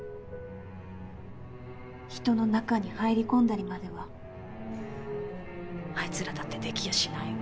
人の中に入り込んだりまではあいつらだってできやしないわ。